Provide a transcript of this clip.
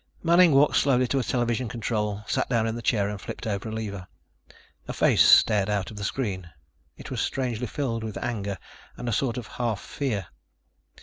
Manning walked slowly to a television control, sat down in the chair and flipped over a lever. A face stared out of the screen. It was strangely filled with anger and a sort of half fear.